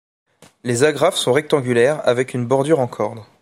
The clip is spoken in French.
Les agrafes sont rectangulaires avec une bordure en corde.